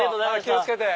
気を付けて！